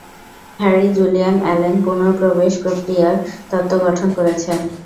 Harry Julian Allen পুন:প্রবেশ প্রক্রিয়ার তত্ত্ব গঠন করেছেন।